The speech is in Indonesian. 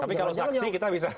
tapi kalau saksi kita bisa